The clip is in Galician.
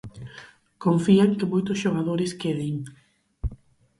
Confía en que moitos xogadores queden.